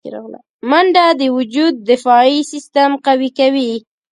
منډه د وجود دفاعي سیستم قوي کوي